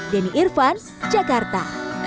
denny irvan jakarta